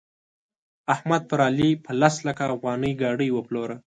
احمد پر علي په لس لکه افغانۍ ګاډي وپلوره.